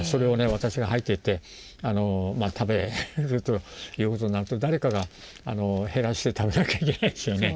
私が入っていって食べるということになると誰かが減らして食べなきゃいけないですよね。